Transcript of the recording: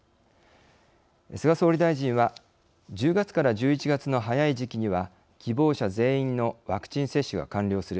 菅総理大臣は「１０月から１１月の早い時期には希望者全員のワクチン接種が完了する。